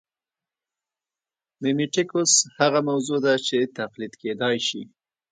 میمیټیکوس هغه موضوع ده چې تقلید کېدای شي